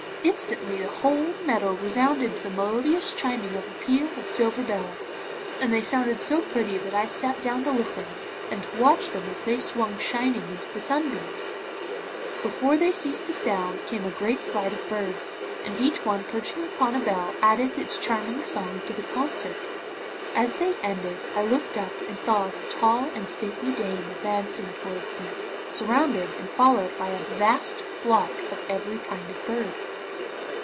Instantly the whole meadow resounded to the melodious chiming of a peal of silver bells, and they sounded so pretty that I sat down to listen, and to watch them as they swung shining in the sunbeams. Before they ceased to sound, came a great flight of birds, and each one perching upon a bell added its charming song to the concert. As they ended, I looked up and saw a tall and stately dame advancing towards me, surrounded and followed by a vast flock of every kind of bird.